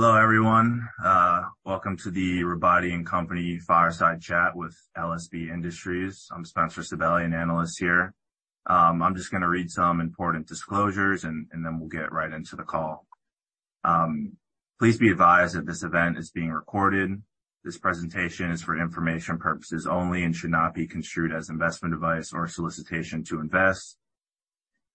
Hello, everyone. Welcome to the Gabelli & Company Fireside Chat with LSB Industries. I'm Spencer Sebely, an analyst here. I'm just gonna read some important disclosures and then we'll get right into the call. Please be advised that this event is being recorded. This presentation is for information purposes only and should not be construed as investment advice or solicitation to invest.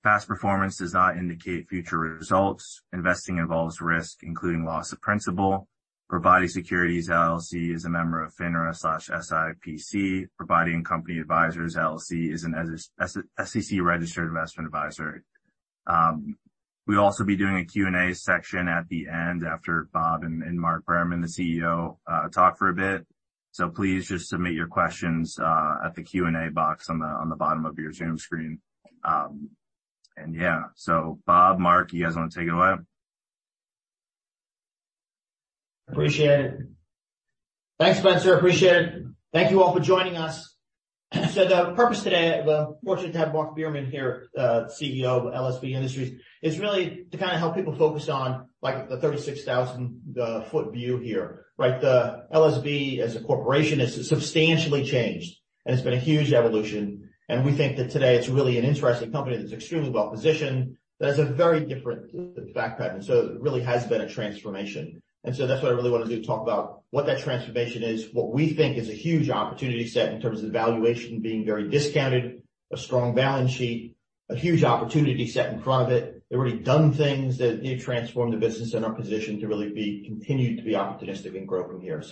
Past performance does not indicate future results. Investing involves risk, including loss of principal. Gabelli Securities, LLC is a member of FINRA/SIPC. Gabelli & Company Investment Advisers, LLC is an SEC registered investment advisor. We'll also be doing a Q&A section at the end after Bob and Mark Behrman, the Chief Executive Officer, talk for a bit. Please just submit your questions at the Q&A box on the bottom of your Zoom screen. Yeah. Bob, Mark, you guys wanna take it away? Appreciate it. Thanks, Spencer. Appreciate it. Thank you all for joining us. The purpose today, we're fortunate to have Mark Behrman here, Chief Executive Officer of LSB Industries, is really to kind of help people focus on, like, the 36,000 foot view here, right? The LSB as a corporation has substantially changed, it's been a huge evolution. We think that today it's really an interesting company that's extremely well-positioned, that has a very different background. It really has been a transformation. That's what I really want to do, talk about what that transformation is, what we think is a huge opportunity set in terms of valuation being very discounted, a strong balance sheet, a huge opportunity set in front of it. They've already done things that transform the business and are positioned to really continue to be opportunistic and grow from here.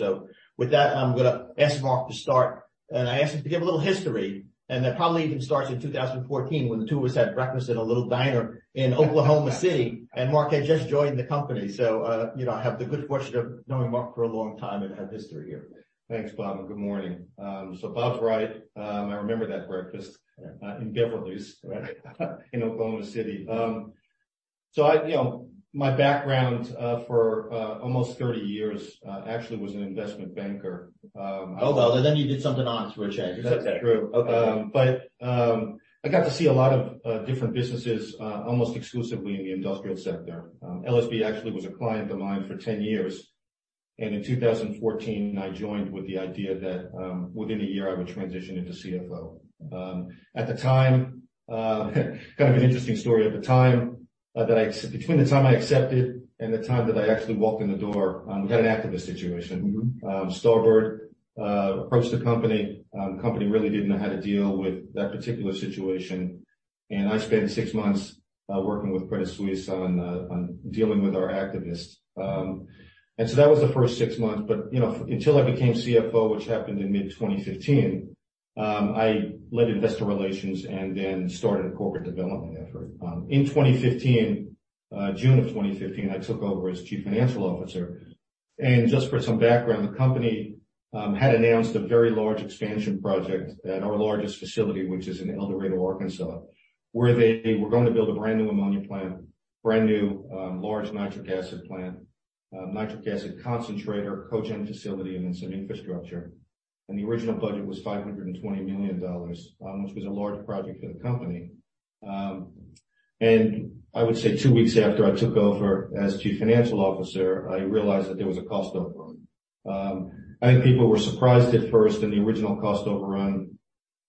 With that, I'm gonna ask Mark to start. I asked him to give a little history, and that probably even starts in 2014 when the two of us had breakfast in a little diner in Oklahoma City. Mark had just joined the company. You know, I have the good fortune of knowing Mark for a long time and have history here. Thanks, Bob, and good morning. Bob's right. I remember that breakfast in Beverly's, right, in Oklahoma City. You know, my background for almost 30 years actually was an investment banker. Oh, well, you did something odd to a change. That's true. Okay. I got to see a lot of different businesses, almost exclusively in the industrial sector. LSB actually was a client of mine for 10 years, and in 2014, I joined with the idea that, within a year, I would transition into CFO. At the time, kind of an interesting story. At the time, between the time I accepted and the time that I actually walked in the door, we had an activist situation. Starboard approached the company. The company really didn't know how to deal with that particular situation. I spent six months working with Credit Suisse on dealing with our activists. That was the first six months. You know, until I became Chief Financial Officer, which happened in mid-2015, I led investor relations and then started a corporate development effort. In 2015, June of 2015, I took over as chief financial officer. Just for some background, the company had announced a very large expansion project at our largest facility, which is in El Dorado, Arkansas, where they were going to build a brand new ammonia plant, brand new, large nitric acid plant, nitric acid concentrator, cogen facility, and then some infrastructure. The original budget was $520 million, which was a large project for the company. I would say two weeks after I took over as Chief Financial Officer, I realized that there was a cost overrun. I think people were surprised at first, the original cost overrun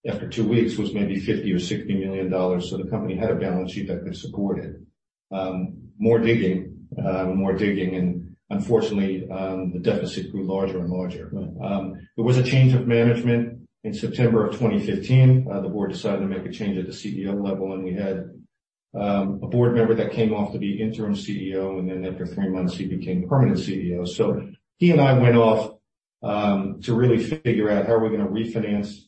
after two weeks was maybe $50 million or $60 million, the company had a balance sheet that could support it. more digging, unfortunately, the deficit grew larger and larger. Right. There was a change of management in September 2015. The board decided to make a change at the Chief Executive Officer level. We had a board member that came off to be interim Chief Executive Officer. Then after three months, he became permanent Chief Executive Officer. He and I went off to really figure out how are we gonna refinance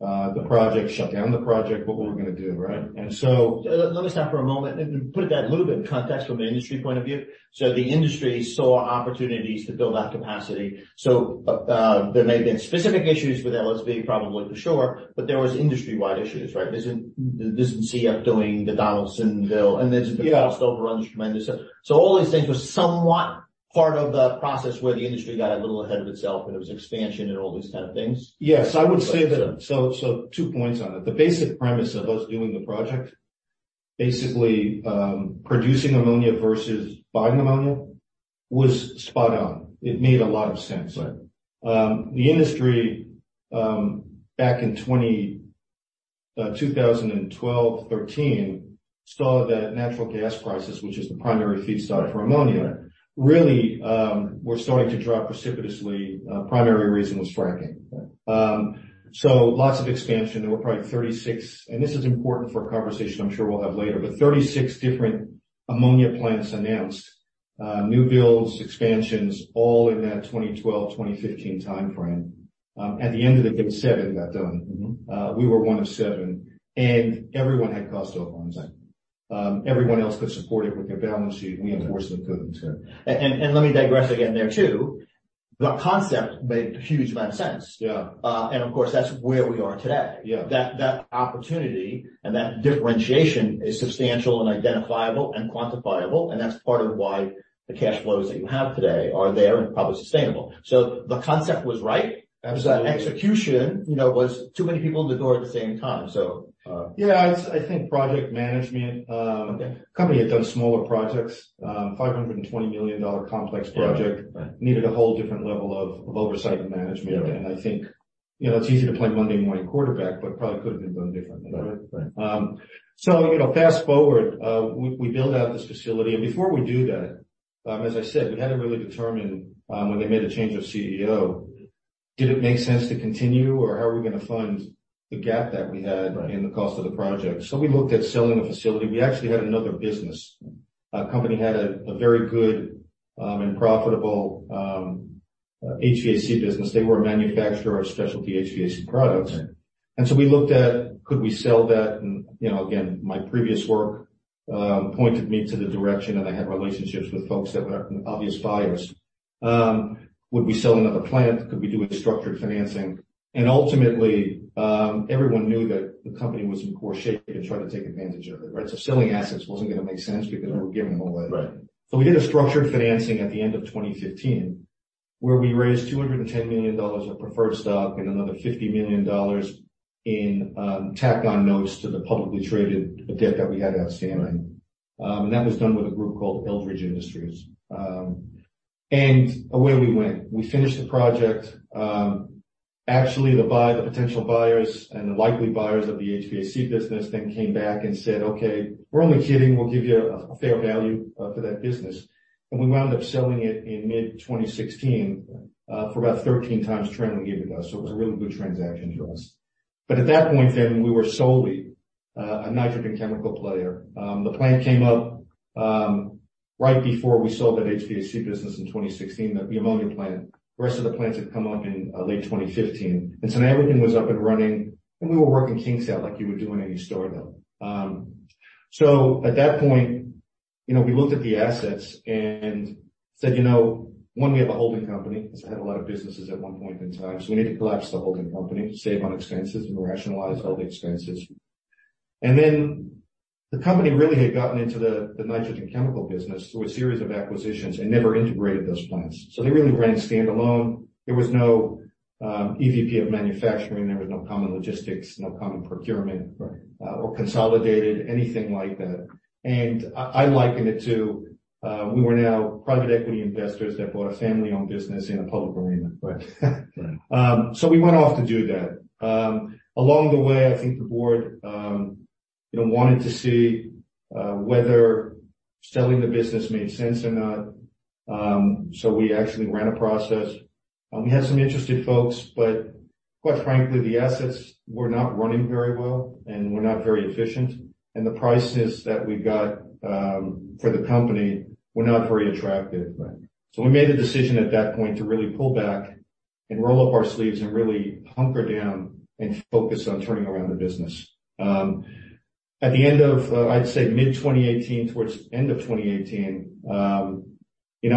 the project, shut down the project, what we're gonna do, right? Let me stop for a moment and put that a little bit in context from an industry point of view. The industry saw opportunities to build out capacity. There may have been specific issues with LSB probably for sure, but there was industry-wide issues, right. There's CF doing the Donaldsonville, and there's been cost overruns tremendously. All these things were somewhat part of the process where the industry got a little ahead of itself, and it was expansion and all these kind of things. Yes. I would say two points on it. The basic premise of us doing the project, basically, producing ammonia versus buying ammonia was spot on. It made a lot of sense. Right. The industry, back in 2012, 2013, saw that natural gas prices, which is the primary feedstock for ammonia, really, were starting to drop precipitously. Primary reason was fracking. Lots of expansion. There were probably 36, and this is important for a conversation I'm sure we'll have later, but 36 different ammonia plants announced, new builds, expansions, all in that 2012, 2015 timeframe. At the end of the day, seven got done. We were one of seven. Everyone had cost overruns. Right. Everyone else could support it with their balance sheet. We unfortunately couldn't. Let me digress again there too. The concept made a huge amount of sense. Yeah. of course, that's where we are today. Yeah. That opportunity and that differentiation is substantial and identifiable and quantifiable, and that's part of why the cash flows that you have today are there and probably sustainable. The concept was right. Absolutely. Execution, you know, was too many people in the door at the same time, so. Yeah. I think project management. Okay. The company had done smaller projects. $520 million complex project. Yeah. Right. Needed a whole different level of oversight and management. Yeah. I think, you know, it's easy to play Monday morning quarterback, but probably could have been done differently. Right. You know, fast-forward, we build out this facility. Before we do that, as I said, we had to really determine when they made a change of Chief Executive Officer, did it make sense to continue, or how are we going to fund the gap that we had in the cost of the project? We looked at selling the facility. We actually had another business. Our company had a very good and profitable HVAC business. They were a manufacturer of specialty HVAC products. Right. We looked at could we sell that? You know, again, my previous work, pointed me to the direction, and I had relationships with folks that were obvious buyers. Would we sell another plant? Could we do a structured financing? Ultimately, everyone knew that the company was in poor shape and tried to take advantage of it, right? Selling assets wasn't gonna make sense because we were giving them away. Right. We did a structured financing at the end of 2015, where we raised $210 million of preferred stock and another $50 million in tack-on notes to the publicly traded debt that we had outstanding. That was done with a group called Eldridge Industries. Away we went. We finished the project. Actually the potential buyers and the likely buyers of the HVAC business then came back and said, "Okay, we're only kidding. We'll give you a fair value for that business." We wound up selling it in mid-2016 for about 13x trailing EBITDA. It was a really good transaction for us. At that point then, we were solely a nitrogen chemical player. The plant came up right before we sold that HVAC business in 2016, the ammonia plant. The rest of the plants had come up in late 2015. Now everything was up and running, and we were working kings out like you would do in any store build. So at that point, you know, we looked at the assets and said, you know, one, we have a holding company because I had a lot of businesses at one point in time, so we need to collapse the holding company, save on expenses, and rationalize all the expenses. Then the company really had gotten into the nitrogen chemical business through a series of acquisitions and never integrated those plants. They really ran standalone. There was no EVP of manufacturing. There was no common logistics, no common procurement. Right. Or consolidated, anything like that. I liken it to, we were now private equity investors that bought a family-owned business in a public arena. Right. We went off to do that. Along the way, I think the board, you know, wanted to see whether selling the business made sense or not. We actually ran a process. We had some interested folks, but quite frankly, the assets were not running very well and were not very efficient. The prices that we got for the company were not very attractive. Right. We made the decision at that point to really pull back and roll up our sleeves and really hunker down and focus on turning around the business. At the end of, I'd say mid-2018 towards end of 2018, I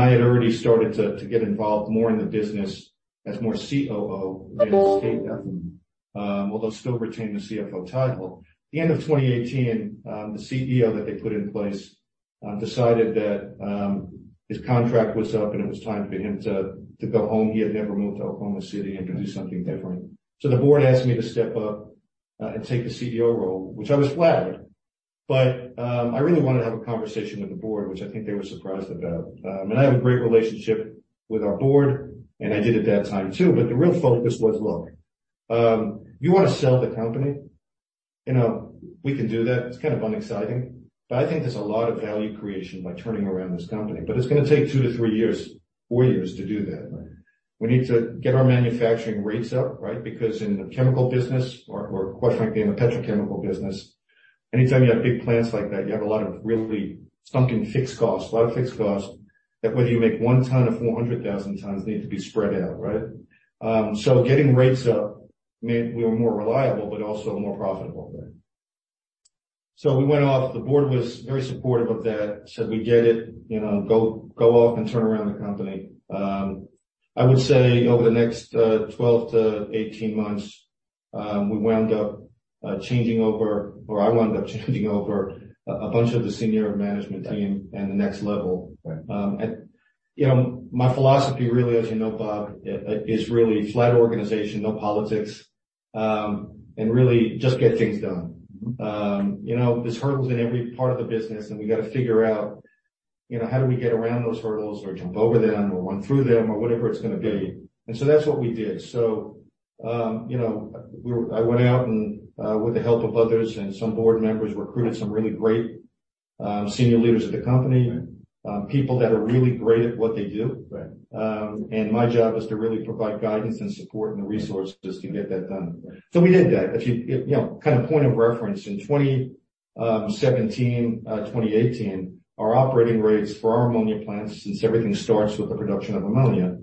had already started to get involved more in the business as more Chief Operating Officer than Chief Financial Officer, although still retained the CFO title. The end of 2018, the Chief Executive Officer that they put in place, decided that, his contract was up, and it was time for him to go home. He had never moved to Oklahoma City and to do something different. The board asked me to step up, and take the Chief Executive Officer role, which I was flattered, I really wanted to have a conversation with the board, which I think they were surprised about. I have a great relationship with our board, and I did at that time too. The real focus was, look, you want to sell the company, you know, we can do that. It's kind of unexciting. I think there's a lot of value creation by turning around this company, but it's gonna take two to three years, four years to do that. Right. We need to get our manufacturing rates up, right? In the chemical business or quite frankly, in the petrochemical business, anytime you have big plants like that, you have a lot of really sunk-in fixed costs, a lot of fixed costs that whether you make 1 ton or 400,000 tons, need to be spread out, right? Getting rates up meant we were more reliable, but also more profitable. Right. We went off. The board was very supportive of that, said, "We get it, you know, go off and turn around the company." I would say over the next 12 to 18 months, we wound up changing over, or I wound up changing over a bunch of the senior management team. Right. The next level. Right. You know, my philosophy really, as you know, Bob, is really flat organization, no politics, and really just get things done. You know, there's hurdles in every part of the business, and we gotta figure out, you know, how do we get around those hurdles or jump over them or run through them or whatever it's gonna be. That's what we did. You know, I went out and, with the help of others and some board members, recruited some really great, senior leaders of the company. Right. People that are really great at what they do. Right. My job was to really provide guidance and support and the resources to get that done. Right. We did that. If you know, kind of point of reference, in 2017, 2018, our operating rates for our ammonia plants, since everything starts with the production of ammonia,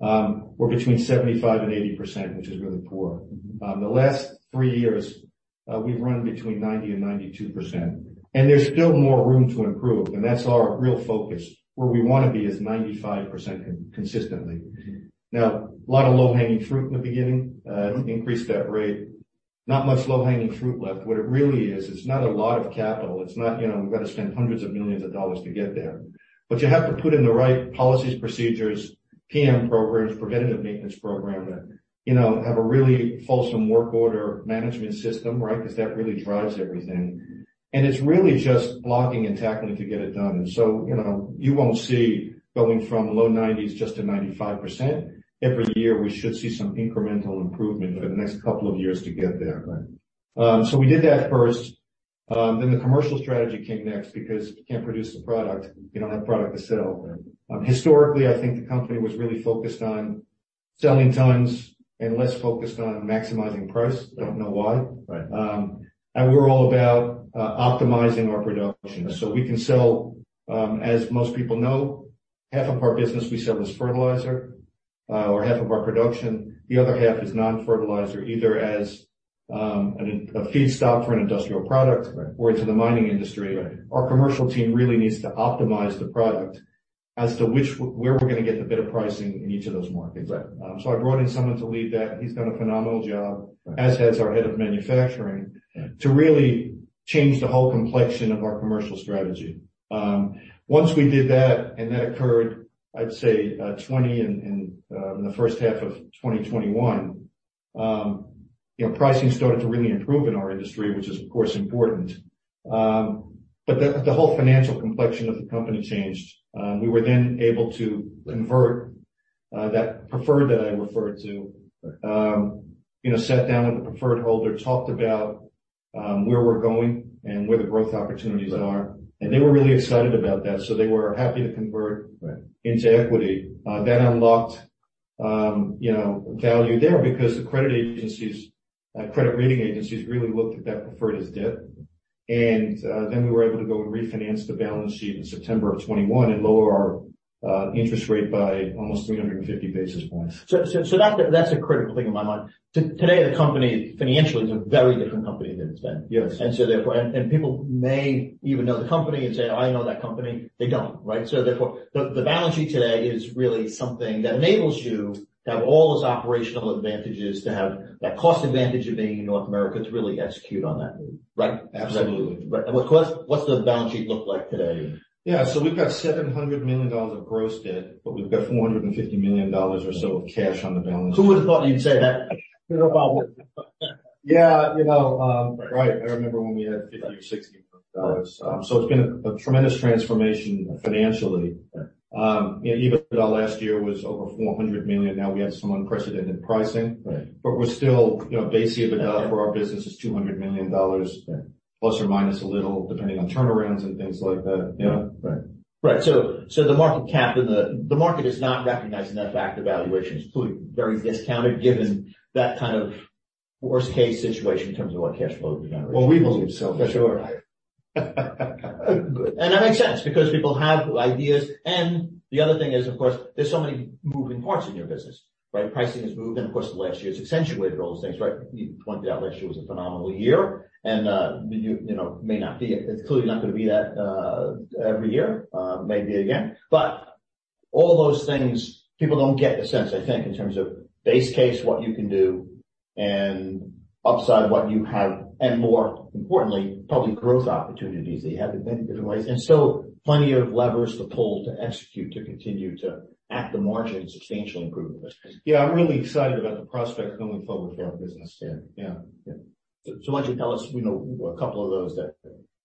were between 75% and 80%, which is really poor. The last three years, we've run between 90% and 92%, and there's still more room to improve, and that's our real focus. Where we wanna be is 95% consistently. A lot of low-hanging fruit in the beginning to increase that rate. Not much low-hanging fruit left. What it really is, it's not a lot of capital. It's not, you know, we've got to spend hundreds of millions of dollars to get there. You have to put in the right policies, procedures, PM programs, preventive maintenance program that, you know, have a really fulsome work order management system, right? That really drives everything. It's really just blocking and tackling to get it done. You know, you won't see going from low 90s just to 95%. Every year, we should see some incremental improvement for the next couple of years to get there. Right. We did that first. The commercial strategy came next, because if you can't produce the product, you don't have product to sell. Right. Historically, I think the company was really focused on selling tons and less focused on maximizing price. I don't know why. Right. We're all about optimizing our production. We can sell, as most people know, half of our business we sell as fertilizer, or half of our production. The other half is non-fertilizer, either as a feedstock for an industrial product. Right. To the mining industry. Right. Our commercial team really needs to optimize the product as to where we're gonna get the better pricing in each of those markets. Right. I brought in someone to lead that. He's done a phenomenal job, as has our head of manufacturing. Yeah. To really change the whole complexion of our commercial strategy. Once we did that, and that occurred, I'd say, 2021 and, in the first half of 2021, you know, pricing started to really improve in our industry, which is, of course, important. The whole financial complexion of the company changed. We were then able to convert that preferred that I referred to. You know, sat down with the preferred holder, talked about where we're going and where the growth opportunities are. Right. They were really excited about that, so they were happy to convert. Right. Into equity. That unlocked, you know, value there because the credit agencies, credit rating agencies really looked at that preferred as debt. Then we were able to go and refinance the balance sheet in September 2021 and lower our interest rate by almost 350 basis points. That's a critical thing in my mind. Today, the company financially is a very different company than it's been. Yes. Therefore, people may even know the company and say, "I know that company." They don't, right? Therefore, the balance sheet today is really something that enables you to have all those operational advantages, to have that cost advantage of being in North America to really execute on that move. Right. Absolutely. Right. What's the balance sheet look like today? Yeah. We've got $700 million of gross debt, but we've got $450 million or so of cash on the balance sheet. Who would have thought you'd say that? You know, right. I remember when we had $50 million-$60 million. It's been a tremendous transformation financially. Right. EBITDA last year was over $400 million. We had some unprecedented pricing. Right. We're still, you know, base year EBITDA for our business is $200 million. Yeah. Plus or minus a little, depending on turnarounds and things like that. Yeah. Right. The market cap and the market is not recognizing that fact evaluations including very discounted given that kind of worst case situation in terms of what cash flow generation. We believe so. For sure. That makes sense because people have ideas. The other thing is, of course, there's so many moving parts in your business, right? Pricing has moved, and of course, the last year has accentuated all those things, right? You pointed out last year was a phenomenal year, and you know, may not be. It's clearly not going to be that every year, maybe again. All those things, people don't get the sense, I think, in terms of base case, what you can do and upside what you have, and more importantly, probably growth opportunities that you have in many different ways, and still plenty of levers to pull, to execute, to continue to, at the margin, substantially improve the business. Yeah, I'm really excited about the prospects going forward for our business. Yeah. Yeah. Why don't you tell us, you know, a couple of those that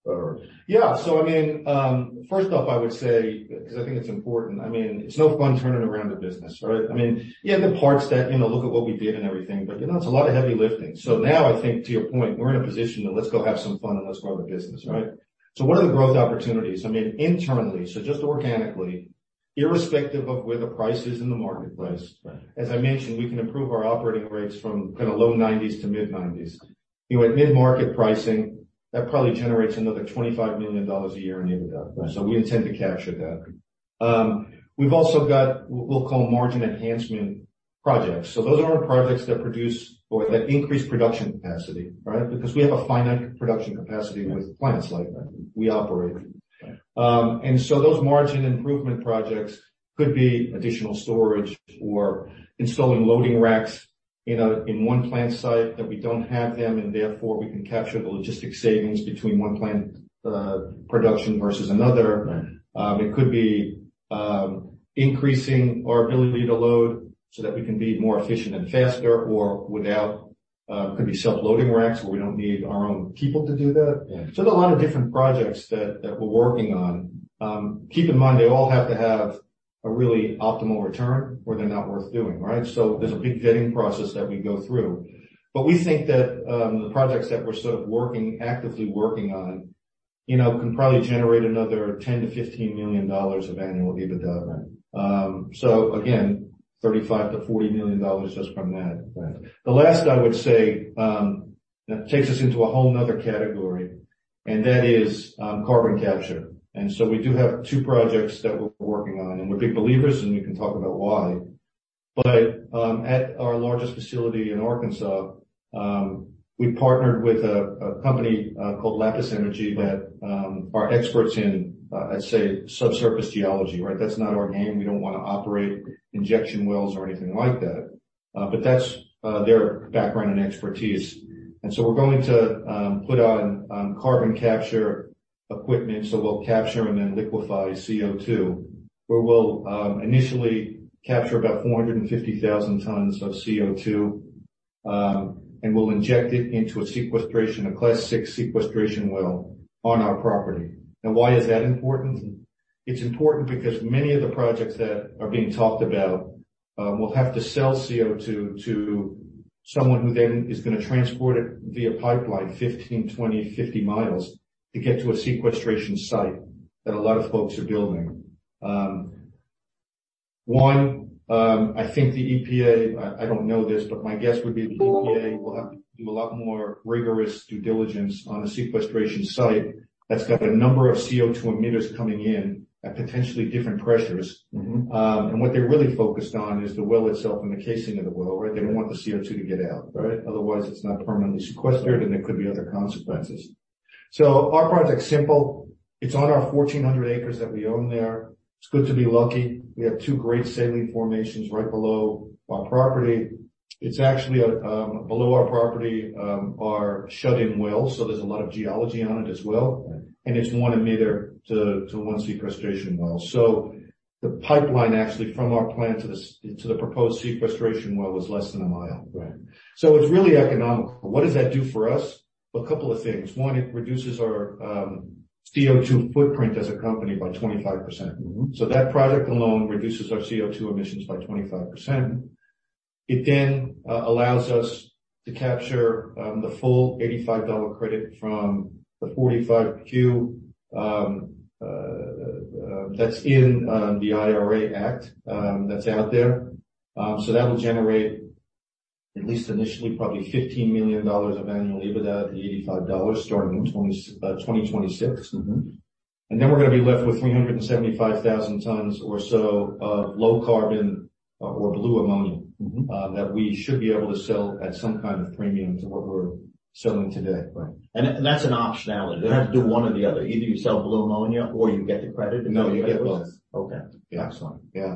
are...? Yeah. I mean, first off, I would say, 'cause I think it's important, I mean, it's no fun turning around a business, right? I mean, you have the parts that, you know, look at what we did and everything, but you know, it's a lot of heavy lifting. Now I think to your point, we're in a position to let's go have some fun and let's grow the business, right? Right. What are the growth opportunities? I mean, internally, so just organically, irrespective of where the price is in the marketplace. Right. As I mentioned, we can improve our operating rates from kinda low-90s to mid-90s. You know, at mid-market pricing, that probably generates another $25 million a year in EBITDA. Right. We intend to capture that. We've also got what we'll call margin enhancement projects. Those are projects that produce or that increase production capacity, right? Because we have a finite production capacity with plants like that. Right. We operate. Right. Those margin improvement projects could be additional storage or installing loading racks in one plant site that we don't have them, and therefore, we can capture the logistic savings between one plant, production versus another. Right. It could be, increasing our ability to load so that we can be more efficient and faster, or without, could be self-loading racks, where we don't need our own people to do that. Yeah. There are a lot of different projects that we're working on. Keep in mind they all have to have a really optimal return or they're not worth doing, right? There's a big vetting process that we go through. We think that, the projects that we're sort of working, actively working on, you know, can probably generate another $10 million-$15 million of annual EBITDA. Right. Again, $35 million-$40 million just from that. Right. The last I would say, that takes us into a whole another category, and that is carbon capture. We do have two projects that we're working on, and we're big believers, and we can talk about why. At our largest facility in Arkansas, we partnered with a company called Lapis Energy that are experts in I'd say subsurface geology, right? That's not our game. We don't wanna operate injection wells or anything like that. But that's their background and expertise. We're going to put on carbon capture equipment, so we'll capture and then liquefy CO2, where we'll initially capture about 450,000 tons of CO2, and we'll inject it into a Class VI sequestration well on our property. Why is that important? It's important because many of the projects that are being talked about. We'll have to sell CO2 to someone who then is gonna transport it via pipeline 15 mi, 20 mi, 50 mi to get to a sequestration site that a lot of folks are building. One, I think the EPA, I don't know this, but my guess would be the EPA will have to do a lot more rigorous due diligence on the sequestration site that's got a number of CO2 emitters coming in at potentially different pressures. What they're really focused on is the well itself and the casing of the well, right? They don't want the CO2 to get out. Right. Otherwise, it's not permanently sequestered, and there could be other consequences. Our project's simple. It's on our 1,400 acres that we own there. It's good to be lucky. We have two great saline formations right below our property. It's actually below our property, our shut-in wells, so there's a lot of geology on it as well. Right. It's one emitter to one sequestration well. The pipeline actually from our plant to the proposed sequestration well is less than 1 mi. Right. It's really economical. What does that do for us? A couple of things. One, it reduces our CO2 footprint as a company by 25%. That project alone reduces our CO2 emissions by 25%. It then allows us to capture the full $85 credit from the 45Q that's in the IRA act that's out there. That will generate at least initially probably $15 million of annual EBITDA at $85 starting by 2026. We're gonna be left with 375,000 tons or so of low carbon or blue ammonia that we should be able to sell at some kind of premium to what we're selling today. Right. That's an optionality. You don't have to do one or the other. Either you sell blue ammonia or you get the credit. No, you get both. Okay. Yeah. Excellent. Yeah.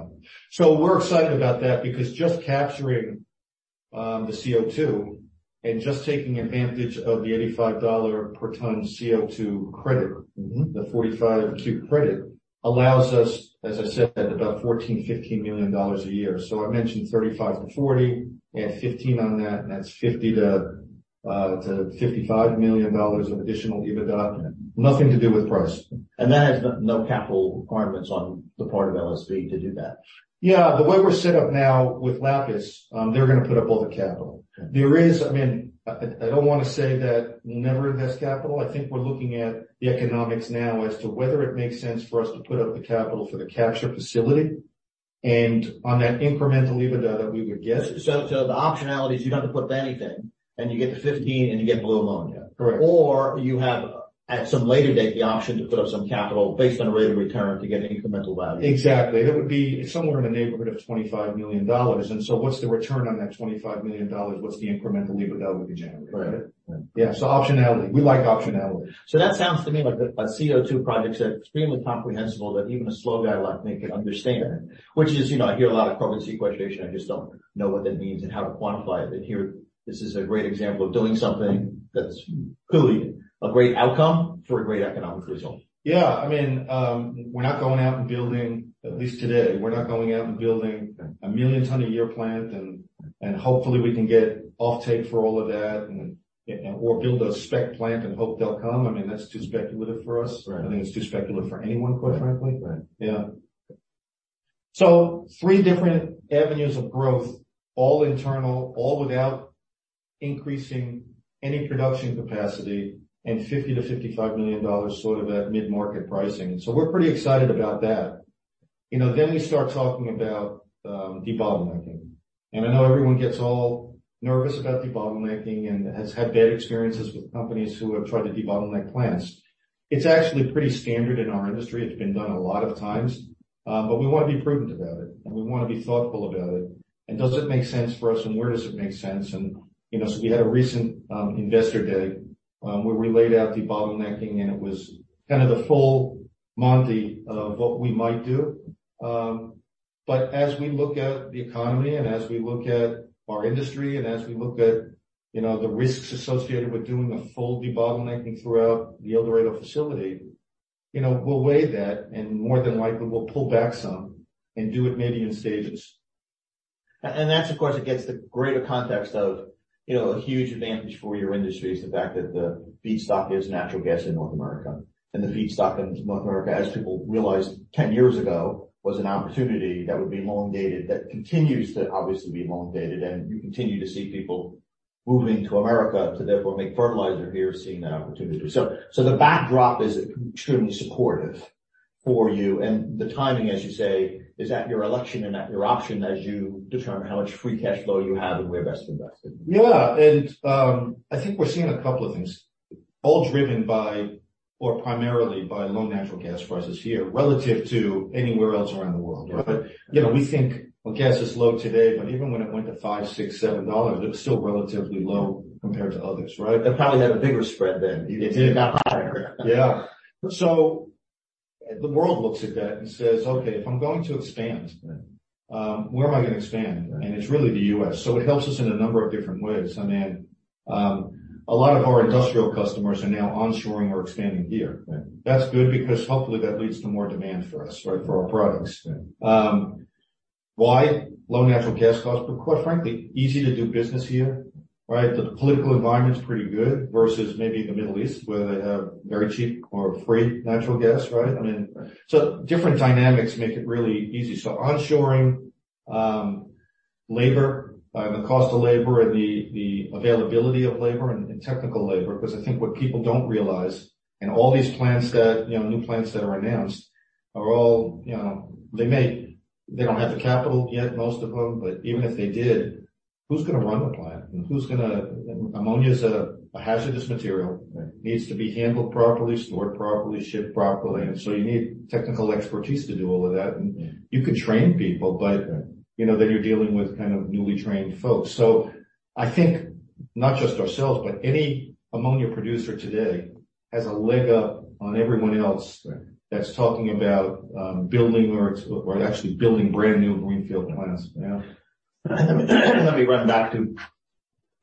We're excited about that because just capturing the CO2 and just taking advantage of the $85 per ton CO2 credit the 45Q credit allows us, as I said, about $14 million-$15 million a year. I mentioned $35 million-$40 million. Add $15 million on that, and that's $50 million-$55 million of additional EBITDA. Yeah. Nothing to do with price. That has no capital requirements on the part of LSB to do that. Yeah. The way we're set up now with Lapis, they're gonna put up all the capital. Okay. I mean, I don't wanna say that we'll never invest capital. I think we're looking at the economics now as to whether it makes sense for us to put up the capital for the capture facility and on that incremental EBITDA that we would get. The optionality is you don't have to put up anything, and you get the $15, and you get blue ammonia. Correct. You have, at some later date, the option to put up some capital based on a rate of return to get incremental value. Exactly. It would be somewhere in the neighborhood of $25 million. What's the return on that $25 million? What's the incremental EBITDA we could generate? Right. Yeah. Optionality. We like optionality. That sounds to me like a CO2 project that's extremely comprehensible, that even a slow guy like me can understand. You know, I hear a lot of carbon sequestration, I just don't know what that means and how to quantify it. Here, this is a great example of doing something that's clearly a great outcome for a great economic result. Yeah. I mean, we're not going out and building, at least today, we're not going out and building a 1 million ton a year plant and hopefully we can get offtake for all of that and, or build a spec plant and hope they'll come. I mean, that's too speculative for us. Right. I think it's too speculative for anyone, quite frankly. Right. Yeah. Three different avenues of growth, all internal, all without increasing any production capacity, and $50 million-$55 million sort of at mid-market pricing. We're pretty excited about that. You know, we start talking about, debottlenecking. I know everyone gets all nervous about debottlenecking and has had bad experiences with companies who have tried to debottleneck plants. It's actually pretty standard in our industry. It's been done a lot of times. We wanna be prudent about it, and we wanna be thoughtful about it. Does it make sense for us, and where does it make sense? You know, we had a recent, Investor Day, where we laid out debottlenecking, and it was kind of the full monte of what we might do. As we look at the economy and as we look at our industry and as we look at, you know, the risks associated with doing a full debottlenecking throughout the El Dorado facility, you know, we'll weigh that and more than likely we'll pull back some and do it maybe in stages. That's of course, against the greater context of, you know, a huge advantage for your industry is the fact that the feedstock is natural gas in North America. The feedstock in North America, as people realized 10 years ago, was an opportunity that would be long-dated, that continues to obviously be long-dated, and we continue to see people moving to America to therefore make fertilizer here, seeing that opportunity. The backdrop is extremely supportive for you, and the timing, as you say, is at your election and at your option as you determine how much free cash flow you have and where best to invest it. Yeah. I think we're seeing a couple of things all driven by, or primarily by low natural gas prices here relative to anywhere else around the world. Right. You know, we think, well, gas is low today, but even when it went to $5, $6, $7, it was still relatively low compared to others, right? It probably had a bigger spread then. It did. It got higher. Yeah. The world looks at that and says, "Okay, if I'm going to expand, where am I gonna expand? Right. It's really the U.S. It helps us in a number of different ways. I mean, a lot of our industrial customers are now onshoring or expanding here. Right. That's good because hopefully that leads to more demand for us, right, for our products. Yeah. Why low natural gas costs? Quite frankly, easy to do business here. Right. The political environment is pretty good versus maybe the Middle East where they have very cheap or free natural gas, right? I mean, different dynamics make it really easy. Onshoring, labor, the cost of labor and the availability of labor and technical labor, because I think what people don't realize in all these plants that, you know, new plants that are announced are all, you know, they don't have the capital yet, most of them. Even if they did, who's gonna run the plant? Ammonia is a hazardous material. Right. Needs to be handled properly, stored properly, shipped properly. Right. You need technical expertise to do all of that. Yeah. You could train people. Right. You know, then you're dealing with kind of newly trained folks. I think not just ourselves, but any ammonia producer today has a leg up on everyone else. Right. That's talking about, building or actually building brand new greenfield plants. Yeah. Let me run back to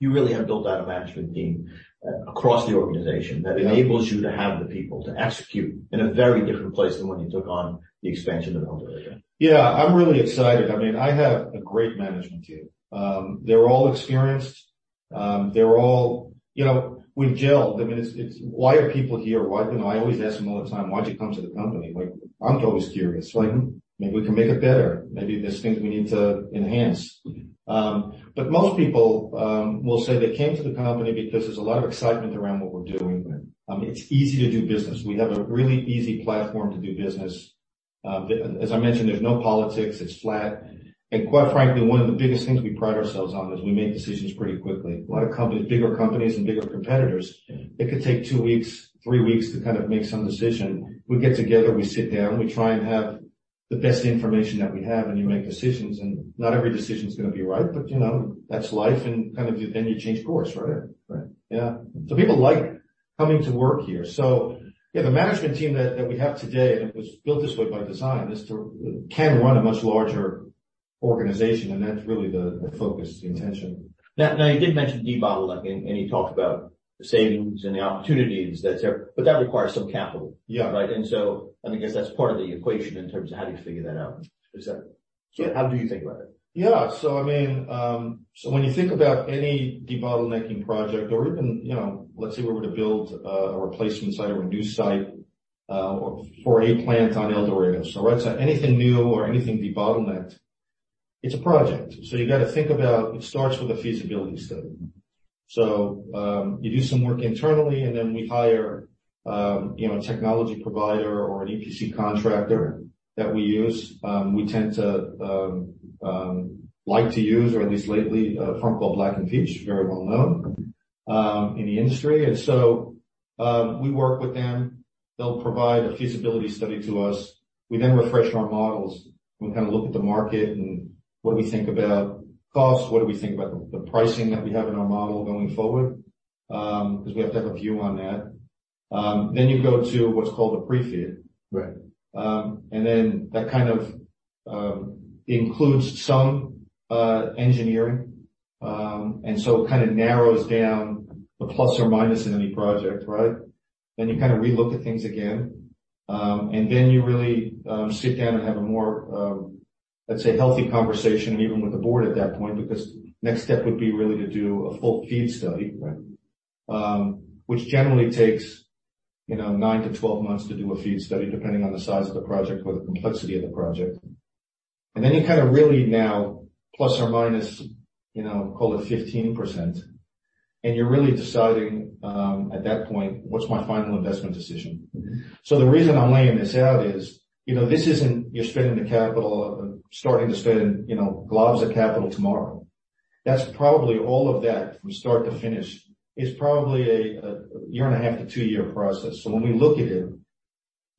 you really have built out a management team across the organization that enables you to have the people to execute in a very different place than when you took on the expansion of El Dorado. Yeah. I'm really excited. I mean, I have a great management team. They're all experienced. They're all, you know, we've gelled. I mean, it's why are people here? Why? You know, I always ask them all the time, "Why'd you come to the company?" Like, I'm always curious. Like, maybe we can make it better. Maybe there's things we need to enhance. Most people, will say they came to the company because there's a lot of excitement around what we're doing. Yeah. It's easy to do business. We have a really easy platform to do business. As I mentioned, there's no politics, it's flat. Quite frankly, one of the biggest things we pride ourselves on is we make decisions pretty quickly. A lot of companies, bigger companies and bigger competitors. Yeah. It could take two weeks, three weeks to kind of make some decision. We get together, we sit down, we try and have the best information that we have. You make decisions. Not every decision is gonna be right, but you know, that's life and kind of then you change course, right? Right. Yeah. people like coming to work here. Yeah, the management team that we have today, that was built this way by design can run a much larger organization, and that's really the focus, the intention. You did mention debottlenecking, and you talked about the savings and the opportunities that's there, but that requires some capital. Yeah. Right? I guess that's part of the equation in terms of how do you figure that out. Is that- Yeah. How do you think about it? Yeah. I mean, when you think about any debottlenecking project or even, you know, let's say we were to build a replacement site or a new site, or for a plant on El Dorado. Whether it's anything new or anything debottlenecked, it's a project. You got to think about, it starts with a feasibility study. You do some work internally, we hire, you know, a technology provider or an EPC contractor. Right. That we use. We tend to, like to use or at least lately a firm called Black & Veatch, very well known. In the industry. We work with them. They'll provide a feasibility study to us. We then refresh our models. We kind of look at the market and what do we think about costs, what do we think about the pricing that we have in our model going forward, 'cause we have to have a view on that. You go to what's called a pre-FEED. Right. That kind of includes some engineering. It kind of narrows down the plus or minus in any project, right? You kind of relook at things again. You really sit down and have a more, let's say healthy conversation even with the board at that point, because next step would be really to do a full FEED study. Right. Which generally takes, you know, nine-12 months to do a FEED study, depending on the size of the project or the complexity of the project. You kind of really now plus or minus, you know, call it 15%, and you're really deciding at that point, what's my final investment decision? The reason I'm laying this out is, you know, this isn't you're spending the capital or starting to spend, you know, globs of capital tomorrow. That's probably all of that from start to finish is probably a year and a half to two-year process. When we look at it,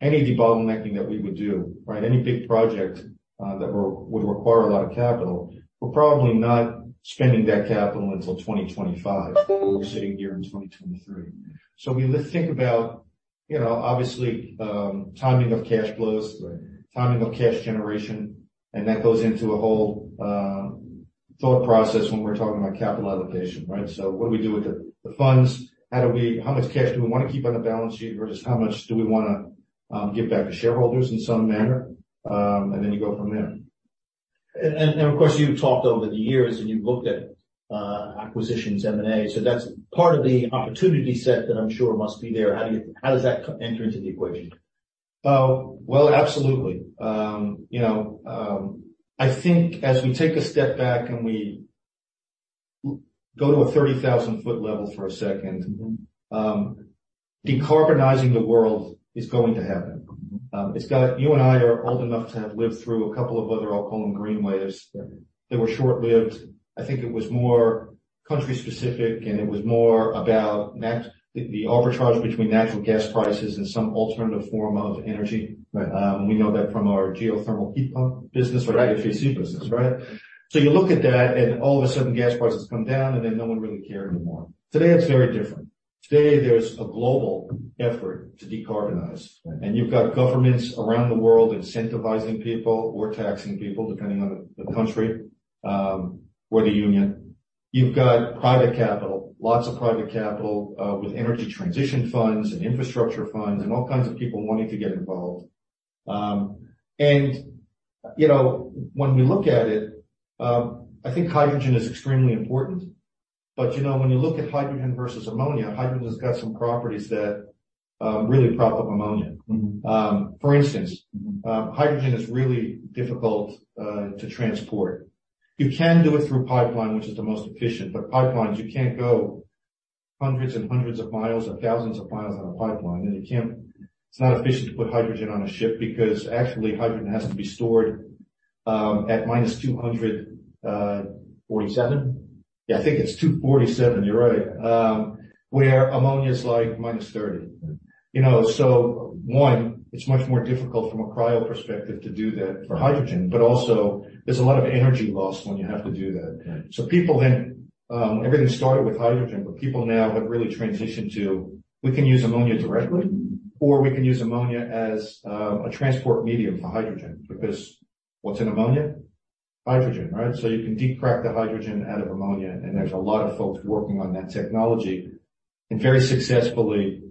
any debottlenecking that we would do, right, any big project, that would require a lot of capital, we're probably not spending that capital until 2025. We're sitting here in 2023. We think about, you know, obviously, timing of cash flows. Right. Timing of cash generation, and that goes into a whole thought process when we're talking about capital allocation, right? What do we do with the funds? How much cash do we wanna keep on the balance sheet versus how much do we wanna give back to shareholders in some manner? Then you go from there. Of course, you've talked over the years, and you've looked at acquisitions, M&A, so that's part of the opportunity set that I'm sure must be there. How does that enter into the equation? Well, absolutely. You know, I think as we take a step back and we go to a 30,000 foot level for a second. Decarbonizing the world is going to happen. You and I are old enough to have lived through a couple of other, I'll call them green waves. Yeah. They were short-lived. I think it was more country specific. It was more about the arbitrage between natural gas prices and some alternative form of energy. Right. We know that from our geothermal heat pump business- Right.... AFC business, right? You look at that and all of a sudden gas prices come down and then no one really cared anymore. Today, it's very different. Today, there's a global effort to decarbonize. Right. You've got governments around the world incentivizing people or taxing people, depending on the country or the union. You've got private capital, lots of private capital, with energy transition funds and infrastructure funds, and all kinds of people wanting to get involved. You know, when we look at it, I think hydrogen is extremely important. You know, when you look at hydrogen versus ammonia, hydrogen's got some properties that really prop up ammonia. For instance Hydrogen is really difficult to transport. You can do it through pipeline, which is the most efficient, but pipelines, you can't go hundreds and hundreds of miles or thousands of miles on a pipeline. It's not efficient to put hydrogen on a ship because actually hydrogen has to be stored at -200. 47? Yeah, I think it's $247. You're right. Where ammonia is like -$30. Right. You know, one, it's much more difficult from a cryo perspective to do that for hydrogen, but also there's a lot of energy lost when you have to do that. Right. People then, everything started with hydrogen, but people now have really transitioned to, we can use ammonia directly. We can use ammonia as a transport medium for hydrogen. What's in ammonia? Hydrogen, right? You can decrack the hydrogen out of ammonia, and there's a lot of folks working on that technology and very successfully.